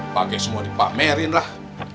pakai semua dipamerin lah